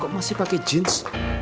kok masih pakai jeans